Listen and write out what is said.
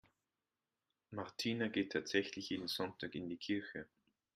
Martina geht tatsächlich jeden Sonntag in die Kirche.